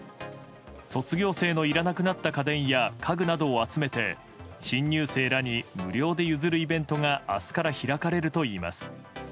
卒業生のいらなくなった家電や家具などを集めて新入生らに無料で譲るイベントが明日から開かれるといいます。